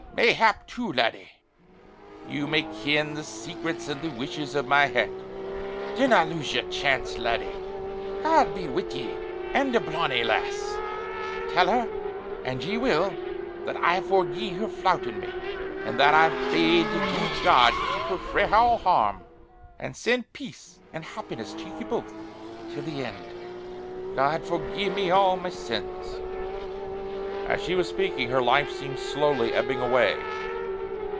Mayhap too, laddie, ye may ken the secrets and the wishes o' my hairt. Dinna lose yer chance, laddie! God be wi' ye an' the bonny lass. Tell her, an' ye will, that I forgie her floutin' me; an' that I bade the gude God keep her frae all harm, and send peace and happiness to ye both till the end. God forgie me all my sins!" As she was speaking her life seemed slowly ebbing away.